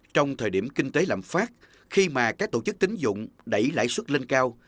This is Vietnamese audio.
trong thời điểm kinh tế lạm phát khi mà các tổ chức tính dụng đẩy lãi suất lên cao